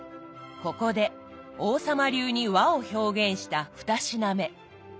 ここで王様流に和を表現した２品目。